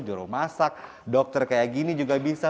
jurumasak dokter kayak gini juga bisa